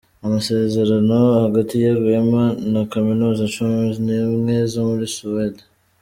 Amasezerano hagati ya Rwema na Kaminuza Cumi Nimwe zo muri Suwede